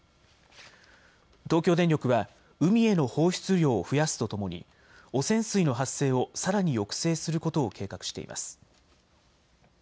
東京電力は海への放出量を増やすとともに汚染水の発生をさらに抑制することを計画しています。